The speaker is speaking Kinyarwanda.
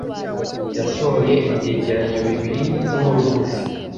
Yasohoye ibyegeranyo bibiri byinkuru ngufi.